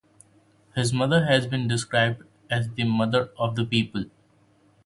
His mother has been described as "the mother of the people".